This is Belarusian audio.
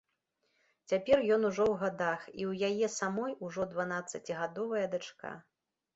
Цяпер ён ўжо ў гадах, і ў яе самой ужо дванаццацігадовая дачка.